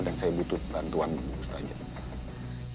dan saya butuh bantuan ibu ustazah